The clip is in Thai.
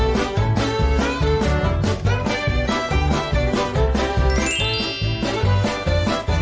สวัสดีค่ะ